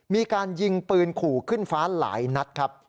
มีการยิงปืนขู่ขึ้นฟ้าหลายนัดครับ